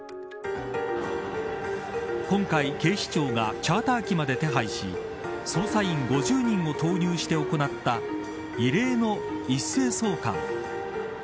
今回、警視庁がチャーター機まで手配し捜査員５０人を投入して行った異例の一斉送還。